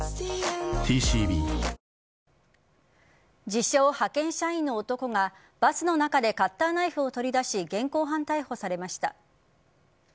自称・派遣社員の男がバスの中でカッターナイフを取り出し現行犯逮捕されました。